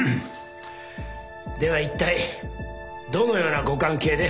ではいったいどのようなご関係で？